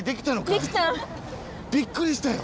びっくりしたよ。